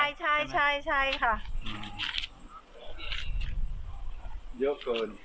เยอะเกิน